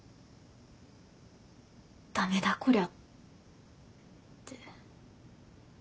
ダメだこりゃって。